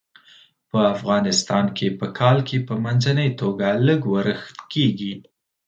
په افغانستان کې په کال کې په منځنۍ توګه لږ ورښت کیږي.